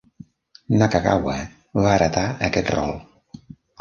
Nakagawa va heretar aquest rol.